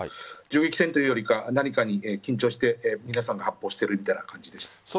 銃撃戦というより何かに緊張して皆さんが発砲しているみたいな感じです。